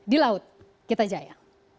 di laut kita jaya